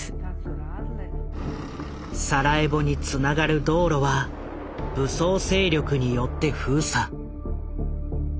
サラエボにつながる道路は武装勢力によって封鎖。